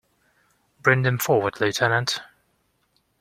Bring them forward, lieutenant.